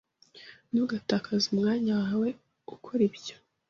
Ntugatakaze umwanya wawe ukora ibyo.